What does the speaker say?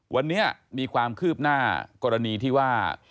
วันนี้มีความคืบหน้ากรณีที่ว่า